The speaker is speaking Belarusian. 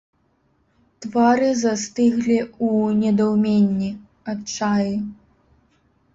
Твары застыглі ў недаўменні, адчаі.